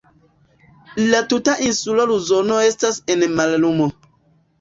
La tuta insulo Luzono estas en la mallumo.